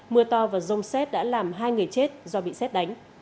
mưa to và rông xét đã làm hai người chết do bị xét đánh